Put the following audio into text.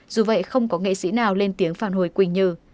dù vậy không có nghệ sĩ nào lên tiếng phản hồi quỳnh như